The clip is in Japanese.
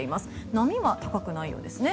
波は高くないようですね。